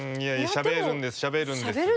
しゃべるんです！